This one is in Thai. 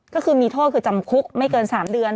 ก็คือมีโทษคือจำคุกไม่เกิน๓เดือน